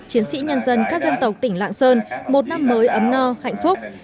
chiến sĩ nhân dân các dân tộc tỉnh lạng sơn một năm mới ấm no hạnh phúc